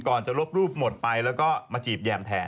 ก่อนจะลบรูปหมดไปแล้วก็มาจีบแยมแทน